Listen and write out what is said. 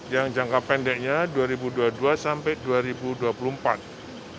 yang jangka pendeknya dua ribu dua puluh dua sampai dua ribu dua puluh empat